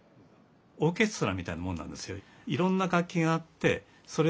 オーケストラみたいなもんなんですよ。